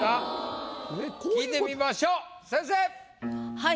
はい。